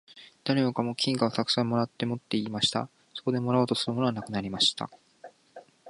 誰もかも金貨をたくさん貰って持っていました。そこでもう貰おうとするものはなくなりました。